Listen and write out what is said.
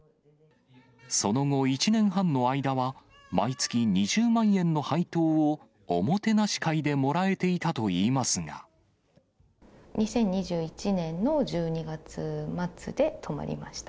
その後、１年半の間は毎月２０万円の配当をおもてなし会でもらえていたと２０２１年の１２月末で止まりました。